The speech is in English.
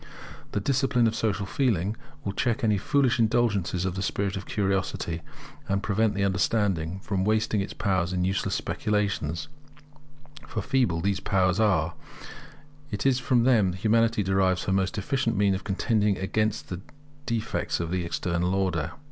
The discipline of social feeling will check any foolish indulgence of the spirit of curiosity, and prevent the understanding from wasting its powers in useless speculations; for feeble as these powers are, it is from them that Humanity derives her most efficient means of contending against the defects of the External Order.